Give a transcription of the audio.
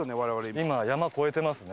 今山越えてますね。